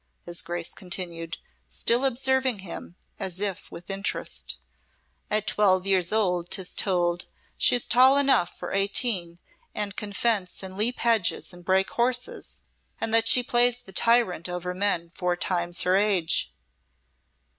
his Grace continued, still observing him as if with interest. "At twelve years old, 'tis told, she is tall enough for eighteen, and can fence and leap hedges and break horses, and that she plays the tyrant over men four times her age."